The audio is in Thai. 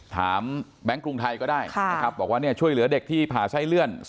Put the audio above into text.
ถามแบงค์กรุงไทยก็ได้บอกว่าช่วยเหลือเด็กที่ผ่าไส้เลื่อน